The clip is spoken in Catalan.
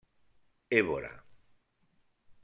Évora.